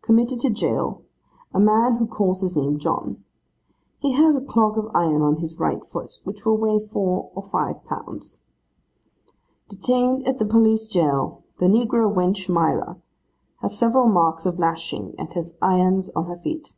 'Committed to jail, a man who calls his name John. He has a clog of iron on his right foot which will weigh four or five pounds.' 'Detained at the police jail, the negro wench, Myra. Has several marks of LASHING, and has irons on her feet.